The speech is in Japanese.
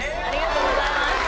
ありがとうございます。